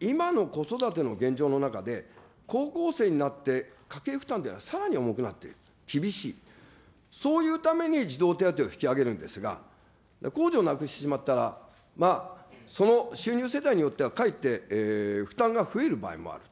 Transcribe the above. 今の子育ての現状の中で、高校生になって家計負担というのはさらに重くなっている、厳しい、そういうために児童手当を引き上げるんですが、控除をなくしてしまったら、その収入世帯によっては、かえって負担が増える場合もある。